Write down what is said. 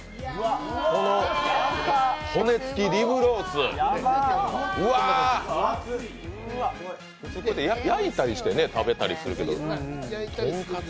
この骨付きリブロース、うわ、焼いたりして食べたりするけど、とんかつ。